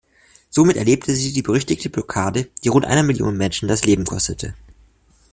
Somit erlebte sie die berüchtigte Blockade, die rund einer Million Menschen das Leben kostete.